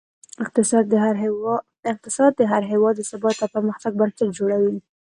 اقتصاد د هر هېواد د ثبات او پرمختګ بنسټ جوړوي.